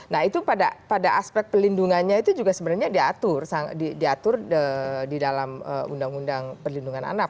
nah itu pada aspek pelindungannya itu juga sebenarnya diatur di dalam undang undang perlindungan anak